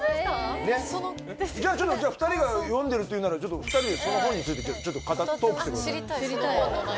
じゃあちょっと２人が読んでるっていうなら２人でその本についてちょっとトークしてください。